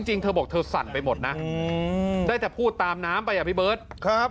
จริงเธอบอกเธอสั่นไปหมดนะได้แต่พูดตามน้ำไปอ่ะพี่เบิร์ตครับ